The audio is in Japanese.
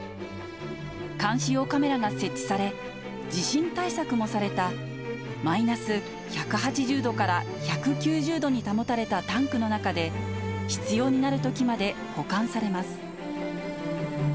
監視用カメラが設置され、地震対策もされた、マイナス１８０度から１９０度に保たれたタンクの中で、必要になるときまで保管されます。